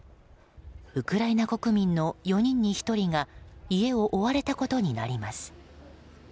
ウクライナ国民の４人に１人が家を追われたことになります。